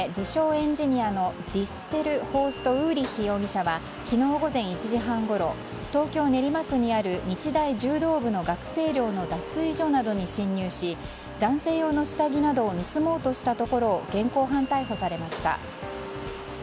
エンジニアのディステルホースト・ウーリッヒ容疑者は昨日午前１時半ごろ東京・練馬区にある日大柔道部の学生寮の脱衣所などに侵入し男性用の下着などを盗もうとしたところを現行犯逮捕されました。